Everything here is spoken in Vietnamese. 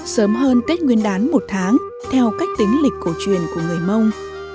sớm hơn tết nguyên đán một tháng theo cách tính lịch cổ truyền của người mông